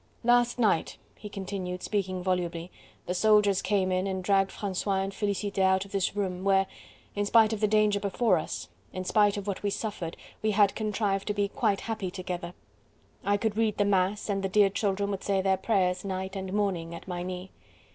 Last night," he continued, speaking volubly, "the soldiers came in and dragged Francois and Felicite out of this room, where, in spite of the danger before us, in spite of what we suffered, we had contrived to be quite happy together. I could read the Mass, and the dear children would say their prayers night and morning at my knee."